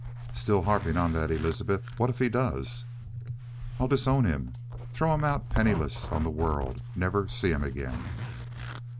"Still harping on that, Elizabeth? What if he does?" "I'd disown him, throw him out penniless on the world, never see him again."